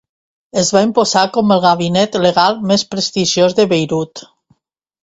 Es va imposar com el gabinet legal més prestigiós de Beirut.